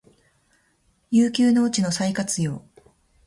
遊休農地の再活用